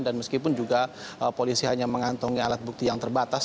dan meskipun juga polisi hanya mengantungi alat bukti yang terbatas